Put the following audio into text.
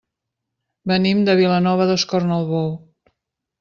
Venim de Vilanova d'Escornalbou.